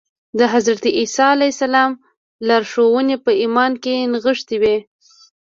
د حضرت عيسی عليه السلام لارښوونې په ايمان کې نغښتې وې.